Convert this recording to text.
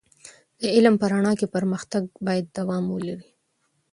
د علم په رڼا کې پر مختګ باید دوام ولري.